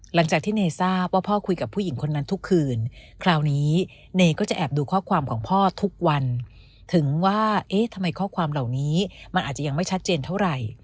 หลังจากที่เนยทราบว่าพ่อคุยกับผู้หญิงคนนั้นทุกคืนคราวนี้เนยก็จะแอบดูข้อความของพ่อทุกวันถึงว่าเอ๊ะทำไมข้อความเหล่านี้มันอาจจะยังไม่ชัดเจนเท่าไหร่